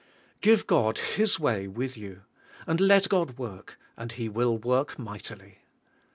Give God His way with 3'ou, and let God work, and He will work mightily.